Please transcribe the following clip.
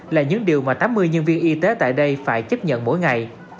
là những điều mà tám mươi nhân viên y tế tại đây phải chấp nhận mỗi ngày